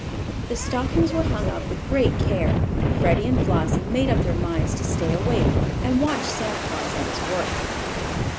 The stockings were hung up with great care, and Freddie and Flossie made up their minds to stay awake and watch Santa Claus at his work.